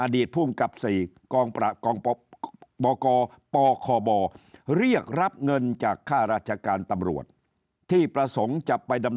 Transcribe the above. อดีตภูมิกับสี่กองปกปคบเรียกรับเงินจากค่าราชการตำรวจ